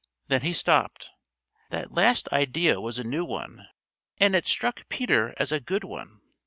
Then he stopped. That last idea was a new one, and it struck Peter as a good one.